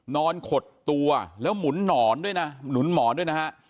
ขดตัวแล้วหมุนหนอนด้วยนะหนุนหมอนด้วยนะฮะ